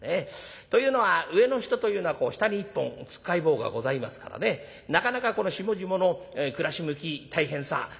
というのは上の人というのは下に１本つっかい棒がございますからねなかなか下々の暮らし向き大変さそういったものが理解できない。